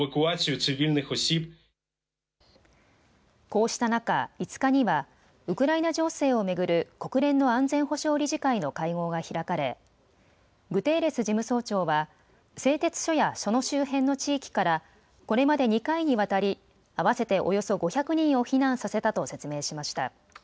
こうした中、５日にはウクライナ情勢を巡る国連の安全保障理事会の会合が開かれ、グテーレス事務総長は、製鉄所やその周辺の地域から、これまで２回にわたり、合わせておよそ５００人を避難させたと説明しました。